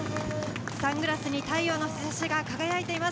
サングラスに太陽の日差しが輝いています。